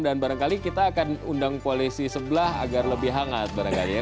dan barangkali kita akan undang koalisi sebelah agar lebih hangat barangkali ya